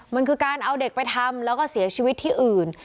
มันคือการเอาเด็กไปทำแล้วก็เสียชีวิตที่อื่น